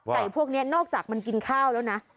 พวกนี้นอกจากมันกินข้าวแล้วนะ